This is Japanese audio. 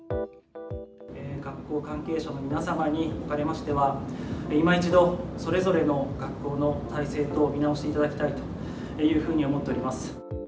学校関係者の皆様におかれましては、いま一度、それぞれの学校の体制等を見直していただきたいと思っております。